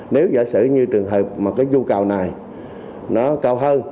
nếu giả sử như trường hợp mà cái du cào này nó cao hơn